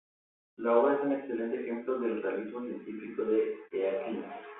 La obra es un excelente ejemplo del realismo científico de Eakins.